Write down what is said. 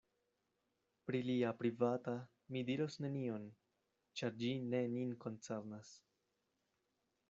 Pri lia privata mi diros nenion; ĉar ĝi ne nin koncernas.